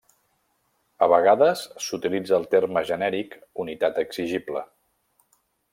A vegades s'utilitza el terme genèric unitat exigible.